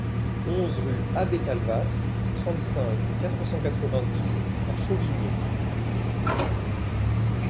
onze rue Abbé Talvas, trente-cinq, quatre cent quatre-vingt-dix à Chauvigné